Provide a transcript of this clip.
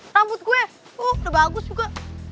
rambut gue udah bagus juga